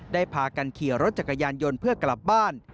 พากันขี่รถจักรยานยนต์เพื่อกลับบ้าน